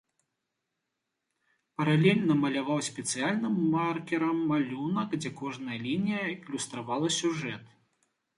Паралельна маляваў спецыяльным маркёрам малюнак, дзе кожная лінія ілюстравала сюжэт.